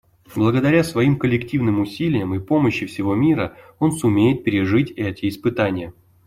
Благодаря своим коллективным усилиям и помощи всего мира он сумеет пережить эти испытания.